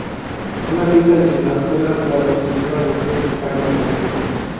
Una pista adicional fue lanzado exclusivamente en su página web.